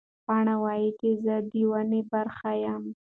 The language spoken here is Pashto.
پاڼه وایي چې زه د ونې برخه یم.